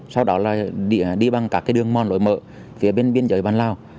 sau đó là đi bằng các đường mòn lối mỡ phía bên biên giới bàn lào